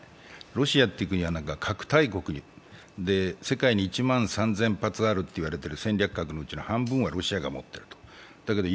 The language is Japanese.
ロシアって国は核大国で世界に１万３０００発あるといわれているものの半分はロシアにあるだろうと。